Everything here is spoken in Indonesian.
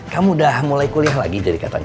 kamu udah mulai kuliah lagi jadi katanya